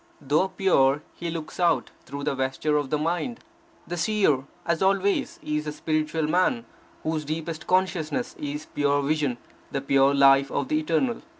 Though pure, he looks out through the vesture of the mind. The Seer, as always, is the spiritual man whose deepest consciousness is pure vision, the pure life of the eternal.